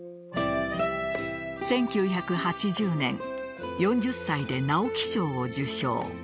１９８０年４０歳で直木賞を受賞。